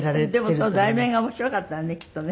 でもその題名が面白かったのねきっとね。